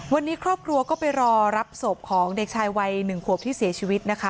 วันนี้ครอบครัวก็ไปรอรับศพของเด็กชายวัย๑ขวบที่เสียชีวิตนะคะ